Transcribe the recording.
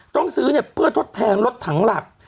ต้องซื้อเนี่ยเพื่อทดแทนรถถังหลัก